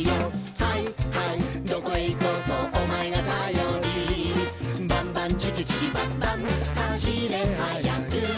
「ハイハイどこへ行こうとおまえがたより」「バンバンチキチキバンバン走れはやく」